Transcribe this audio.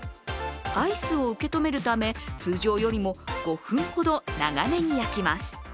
アイスを受け止めるため、通常よりも５分ほど長めに焼きます。